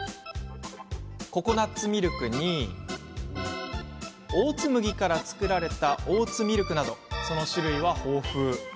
ココナツミルクにオーツ麦から作られたオーツミルクなどその種類は豊富。